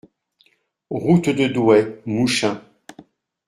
Route de Douai, Mouchin